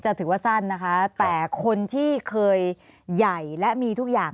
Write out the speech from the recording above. ถือว่าสั้นนะคะแต่คนที่เคยใหญ่และมีทุกอย่าง